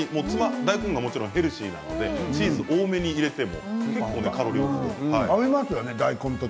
大根は、もちろんヘルシーなのでチーズを多めに入れても。